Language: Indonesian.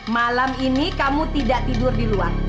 malam ini kamu tidak tidur di luar